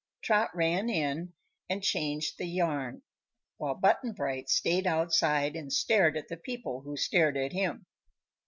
Trot ran in and changed the yarn, while Button Bright stayed outside and stared at the people who stared at him.